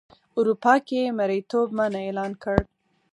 اروپا کې یې مریتوب منع اعلان کړ.